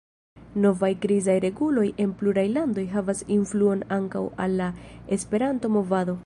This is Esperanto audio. Novaj krizaj reguloj en pluraj landoj havas influon ankaŭ al la Esperanto-movado.